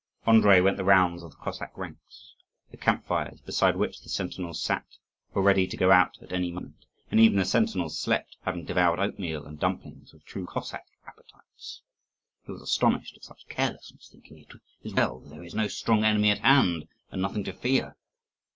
Andrii went the rounds of the Cossack ranks. The camp fires, beside which the sentinels sat, were ready to go out at any moment; and even the sentinels slept, having devoured oatmeal and dumplings with true Cossack appetites. He was astonished at such carelessness, thinking, "It is well that there is no strong enemy at hand and nothing to fear."